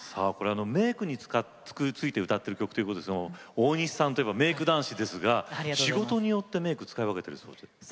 メークについて歌ってる曲ですが大西さんといえばメーク男子ですが仕事によってメークを使い分けているそうで。